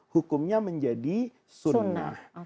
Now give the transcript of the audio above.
hukumnya menjadi sunnah